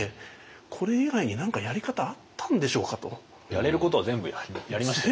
やれることは全部やりましたよね。